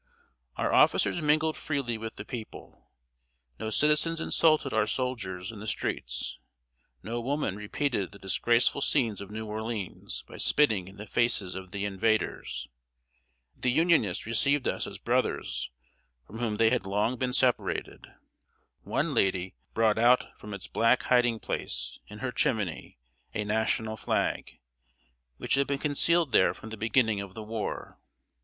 ] Our officers mingled freely with the people. No citizens insulted our soldiers in the streets; no woman repeated the disgraceful scenes of New Orleans by spitting in the faces of the "invaders." The Unionists received us as brothers from whom they had long been separated. One lady brought out from its black hiding place, in her chimney, a National flag, which had been concealed there from the beginning of the war.